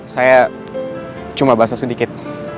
saya cuma basah sedikit